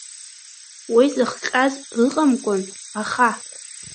Уи зыхҟьаз ыҟамкәан аха.